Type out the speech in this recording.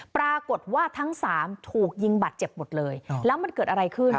ปรากฏว่าทั้งสามถูกยิงบาดเจ็บหมดเลยแล้วมันเกิดอะไรขึ้น